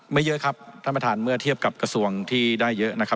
ไม่เยอะครับท่านประธานเมื่อเทียบกับกระทรวงที่ได้เยอะ